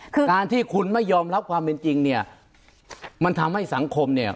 คือการที่คุณไม่ยอมรับความเป็นจริงเนี่ยมันทำให้สังคมเนี่ย